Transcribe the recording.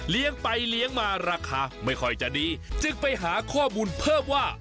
ไปเลี้ยงมาราคาไม่ค่อยจะดีจึงไปหาข้อมูลเพิ่มว่า